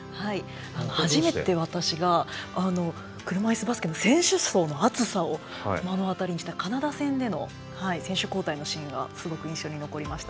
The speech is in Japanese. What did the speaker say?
初めて私が車いすバスケの選手層の厚さを目の当たりにしたカナダ戦での選手交代でのシーンがすごく印象に残りました。